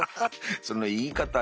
その言い方よ。